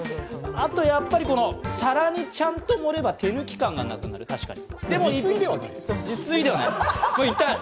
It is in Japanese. あとやっぱり皿にちゃんと盛れば手抜き感がなくなる、確かに。